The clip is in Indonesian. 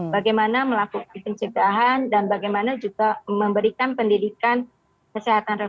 bagaimana melakukan pencegahan dan bagaimana juga memberikan pendidikan kesehatan reproduksi atau pendidikan yang lebih baik